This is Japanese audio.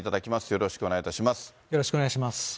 よろしくお願いします。